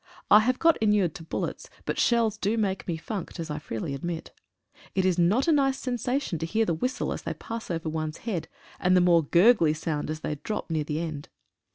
I have got inured to bullets, but shells do make me funked, as I freely admit. It is not a nice sensation to hear the whistle as they pass over one's head, and the more gurgly sound as they dropped near the end.